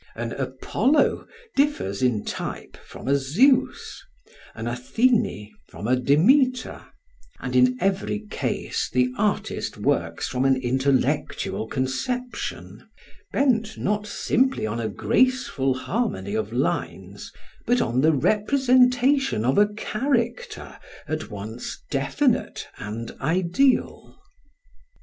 An Apollo differs in type from a Zeus, an Athene from a Demeter; and in every case the artist works from an intellectual conception, bent not simply on a graceful harmony of lines, but on the representation of a character at once definite and ideal.